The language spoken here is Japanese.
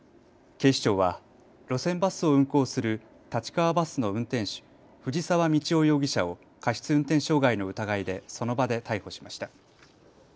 警視庁は路線バスを運行する立川バスの運転手、藤澤道郎容疑者を過失運転傷害の疑いでその場で逮捕しました。